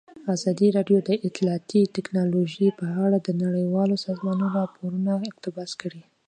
ازادي راډیو د اطلاعاتی تکنالوژي په اړه د نړیوالو سازمانونو راپورونه اقتباس کړي.